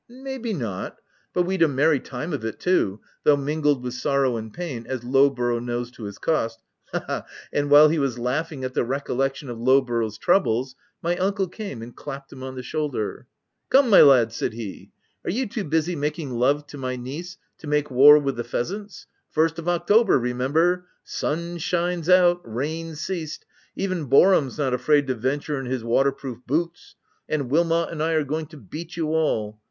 u May be not ; but we'd a merry time of it, too, though mingled with sorrow and pain, as Lowborough knows to his cost — Ha, ha !" and while he was laughing at the recollection of Lowborough's troubles, my uncle came and clapped him on the shoulder. " Come my lad P* said he. " Are you too busy making love to my niece, to make war with the pheasants ?— First of October remem ber !— Sun shines out — rain ceased — even Boar ham's not afraid to venture in his waterproof boots ; and Wilmot and I are going to beat you all.